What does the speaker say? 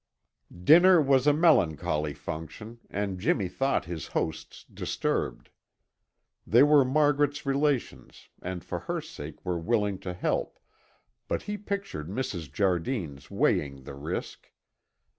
Dinner was a melancholy function, and Jimmy thought his hosts disturbed. They were Margaret's relations and for her sake were willing to help, but he pictured Mrs. Jardine's weighing the risk.